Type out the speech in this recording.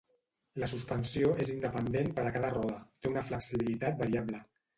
La suspensió és independent per cada roda, té una flexibilitat variable.